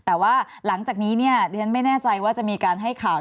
แต่ว่าหลังจากนี้เนี่ยดิฉันไม่แน่ใจว่าจะมีการให้ข่าว